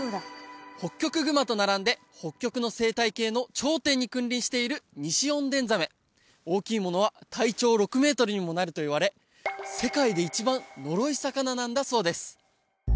ホッキョクグマと並んで北極の生態系の頂点に君臨しているニシオンデンザメ大きいものは体長６メートルにもなるといわれなんだそうです